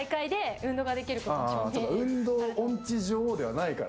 運動音痴女王ではないから。